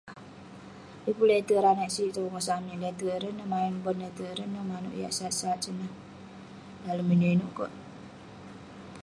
Yeng pun lete'erk ireh anag sig tong bengosak amik. Lete'erk ireh neh maen bon, lete'erk ineh neh manouk yak sat sat sineh, dalem inouk inouk kek.